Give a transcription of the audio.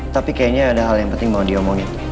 tapi kayaknya ada hal yang penting mau diomongin